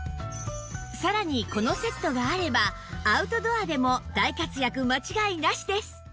さらにこのセットがあればアウトドアでも大活躍間違いなしです